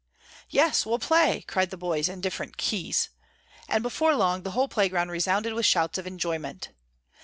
"Yes, we'll play," cried the boys, in different keys. And before long the whole playground resounded with shouts of enjoyment.